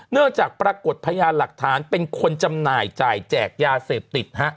จากปรากฏพยานหลักฐานเป็นคนจำหน่ายจ่ายแจกยาเสพติด